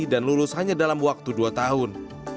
dan lulus hanya dalam waktu dua tahun